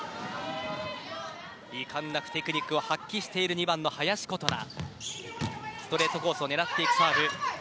いかんなくテクニックを発揮している２番の林琴奈。